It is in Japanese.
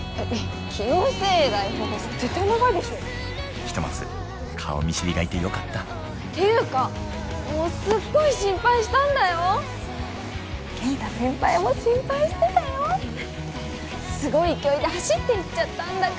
気のせいだよ絶対長いでしょひとまず顔見知りがいてよかったっていうかもうすっごい心配したんだよ健太先輩も心配してたよすごい勢いで走って行っちゃったんだ